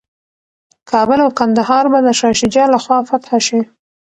کابل او کندهار به د شاه شجاع لخوا فتح شي.